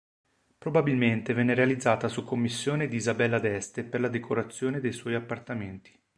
Probabilmente venne realizzata su commissione di Isabella d'Este per la decorazione dei suoi appartamenti.